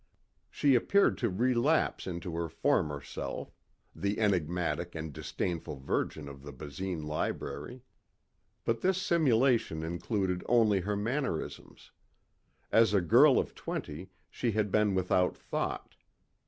She appeared to relapse into her former self the enigmatic and disdainful virgin of the Basine library. But this simulation included only her mannerisms. As a girl of twenty she had been without thought.